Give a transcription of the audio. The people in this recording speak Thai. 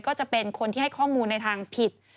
ก็จะเป็นคนที่ให้ข้อมูลในทางผิด